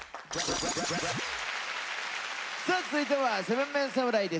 さあ続いては７ＭＥＮ侍です。